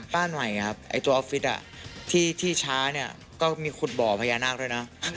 บ้านใหม่ครับไอ้ตัวออฟฟิศที่ช้าเนี่ยก็มีขุดบ่อพญานาคด้วยนะ